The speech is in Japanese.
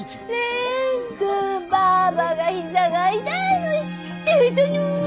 蓮くんばぁばが膝が痛いの知ってたの？